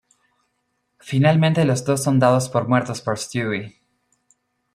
Finalmente los dos son dados por muertos por Stewie.